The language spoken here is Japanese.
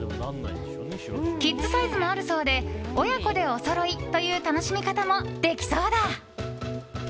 キッズサイズもあるそうで親子でおそろいという楽しみ方もできそうだ。